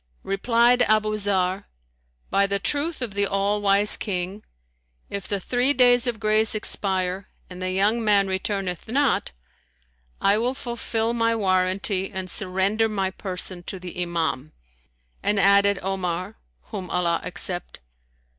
Replied Abu Zarr, "By the truth of the All Wise King, if the three days of grace expire and the young man returneth not, I will fulfill my warranty and surrender my person to the Imam;" and added Omar (whom Allah accept!)